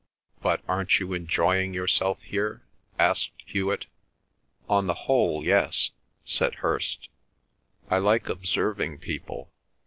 "But aren't you enjoying yourself here?" asked Hewet. "On the whole—yes," said Hirst. "I like observing people.